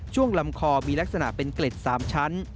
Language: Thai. ลำคอมีลักษณะเป็นเกล็ด๓ชั้น